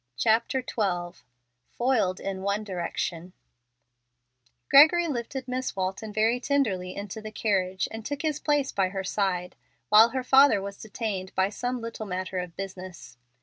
CHAPTER XII FOILED IN ONE DIRECTION Gregory lifted Miss Walton very tenderly into the carriage and took his place by her side, while her father was detained by some little matter of business.